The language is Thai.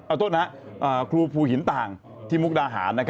อันตรวจนะครูพูหินต่างที่มุกดาหาร